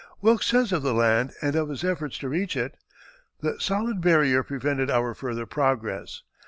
Wilkes says of the land and of his efforts to reach it: "The solid barrier prevented our further progress.